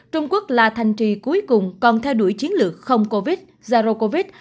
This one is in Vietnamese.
trung quốc là thành trì cuối cùng còn theo đuổi chiến lược không covid